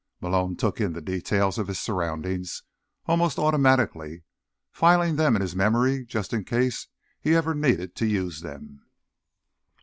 Malone took in the details of his surroundings almost automatically, filing them in his memory just in case he ever needed to use them.